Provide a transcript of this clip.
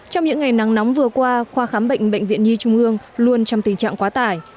trong những ngày nắng nóng vừa qua khoa khám bệnh bệnh viện nhi trung ương luôn trong tình trạng quá tải